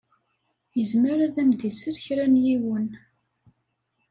Izmer ad m-d-isel kra n yiwen.